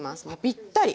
ぴったり！